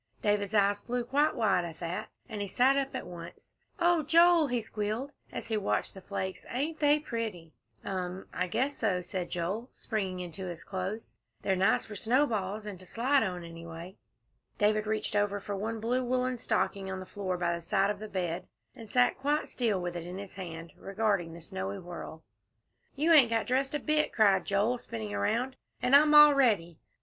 David's eyes flew quite wide at that, and he sat up at once. "Oh, Joel," he squealed, as he watched the flakes, "ain't they pretty!" "Um! I guess so," said Joel, springing into his clothes; "they're nice for snowballs and to slide on, anyway." David reached over for one blue woollen stocking on the floor by the side of the bed, and sat quite still with it in his hand, regarding the snowy whirl. "You ain't got dressed a bit," cried Joel, spinning around, "and I'm all ready."